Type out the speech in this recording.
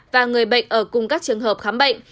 và người bệnh ở cùng các trường hợp khám bệnh